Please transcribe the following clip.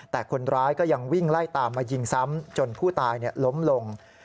แต่คนร้ายก็ยังวิ่งไล่ตามมายิงซ้ำจนผู้ตายล้มลง